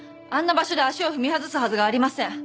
場所で足を踏み外すはずがありません。